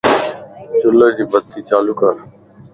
چل جي بتي چالو ڪر